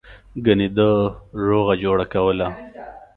گني ده روغه جوړه کوله.